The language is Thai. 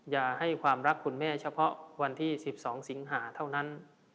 อย่าให้ความรักคุณแม่เฉพาะวันที่๑๒สิงหาเท่านั้น